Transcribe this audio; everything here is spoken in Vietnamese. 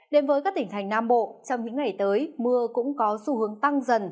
đến với các tỉnh thành nam bộ trong những ngày tới mưa cũng có xu hướng tăng dần